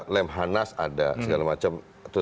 lemhanas ada segala macam